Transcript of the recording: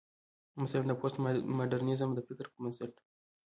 مثلا: د پوسټ ماډرنيزم د فکر پر بنسټ